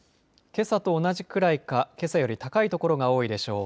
けさと同じくらいかけさより高い所が多いでしょう。